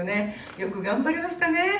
よく頑張りましたね。